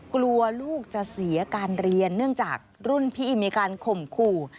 กลัวลูกจะเสียการเรียนเนื่องจากรุ่นพี่มีการข่มขู่